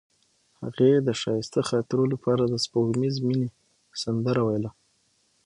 هغې د ښایسته خاطرو لپاره د سپوږمیز مینه سندره ویله.